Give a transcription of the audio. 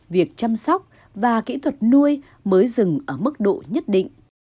việc chăm sóc và kỹ thuật nuôi mới dừng ở mức độ nhất định